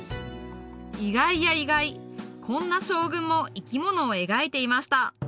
意外や意外こんな将軍も生き物を描いていました